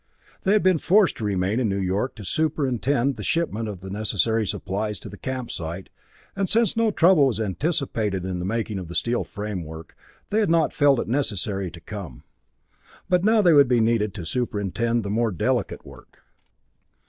They had been forced to remain in New York to superintend the shipment of the necessary supplies to the camp site, and since no trouble was anticipated in the making of the steel framework, they had not felt it necessary to come. But now they would be needed to superintend the more delicate work.